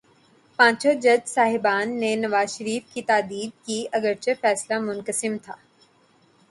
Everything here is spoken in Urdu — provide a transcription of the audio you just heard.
پانچوں جج صاحبان نے نواز شریف کی تادیب کی، اگرچہ فیصلہ منقسم تھا۔